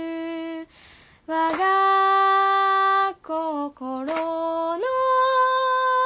「我が心の」